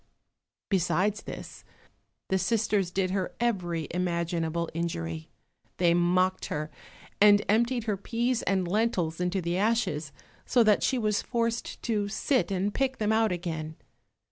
Besides this, the sisters did her every imaginable injury—they mocked her and emptied her peas and lentils into the ashes, so that she was forced to sit and pick them out again.